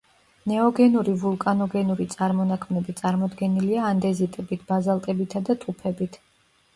ნეოგენური ვულკანოგენური წარმონაქმნები წარმოდგენილია ანდეზიტებით, ბაზალტებითა და ტუფებით.